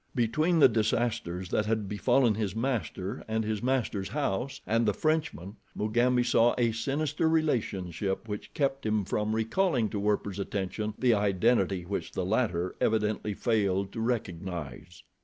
Between the disasters that had befallen his master and his master's house, and the Frenchman, Mugambi saw a sinister relationship, which kept him from recalling to Werper's attention the identity which the latter evidently failed to recognize.